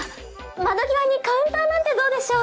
窓際にカウンターなんてどうでしょう。